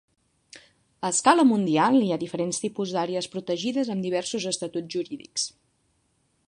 A escala mundial, hi ha diferents tipus d'àrees protegides amb diversos estatus jurídics.